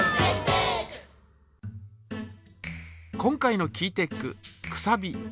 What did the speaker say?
今回のキーテックくさび。